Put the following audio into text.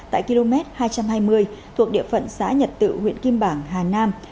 tại km hai trăm hai mươi thuộc địa phận xã nhật tự huyện kim bảng hà nam